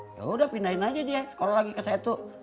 yaudah pindahin aja dia sekolah lagi ke satu